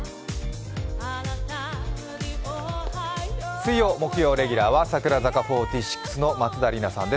水曜・木曜レギュラーは櫻坂４６の松田里奈さんです。